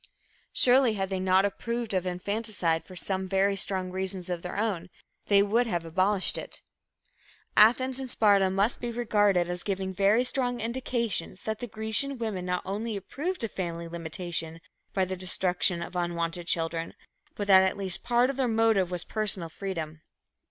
Surely, had they not approved of infanticide for some very strong reasons of their own, they would have abolished it. Athens and Sparta must be regarded as giving very strong indications that the Grecian women not only approved of family limitation by the destruction of unwanted children, but that at least part of their motive was personal freedom.